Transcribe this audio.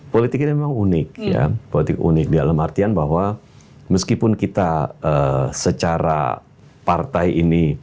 politik ini memang unik ya politik unik dalam artian bahwa meskipun kita secara partai ini